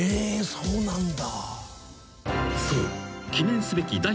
そうなんだ。